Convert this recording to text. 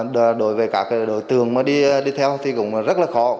đối với các đối tượng mà đi theo thì cũng rất là khó